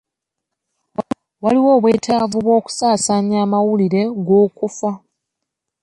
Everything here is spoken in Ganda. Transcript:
Waliwo obwetaavu bw'okusaasaanya amawulire g'okufa?